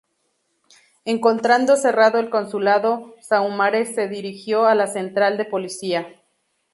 Encontrando cerrado el consulado, Saumarez se dirigió a la central de policía.